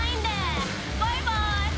バイバイ！